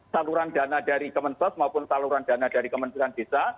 saluran dana dari kemensos maupun saluran dana dari kementerian desa